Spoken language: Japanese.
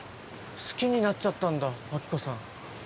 好きになっちゃったんだ亜希子さん